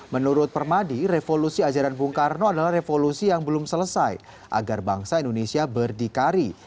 menurut permadi revolusi ajaran bung karno adalah revolusi yang belum selesai agar bangsa indonesia berdikari